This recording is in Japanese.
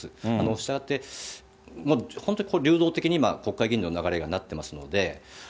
したがって本当に、これ流動的に国会議員の流れがなってますので。